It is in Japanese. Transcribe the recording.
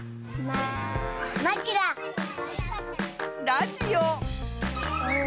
ラジオ。